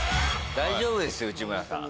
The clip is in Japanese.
大丈夫ですよ内村さん